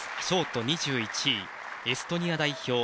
ショート２１位、エストニア代表